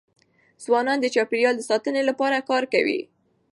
ځوانان د چاپېریال د ساتني لپاره کار کوي.